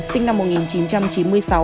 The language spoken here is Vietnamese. sinh năm một nghìn chín trăm chín mươi sáu